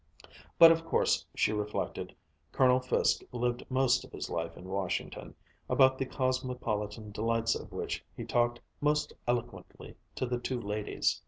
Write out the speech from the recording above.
But of course, she reflected, Colonel Fiske lived most of his life in Washington, about the cosmopolitan delights of which he talked most eloquently to the two ladies.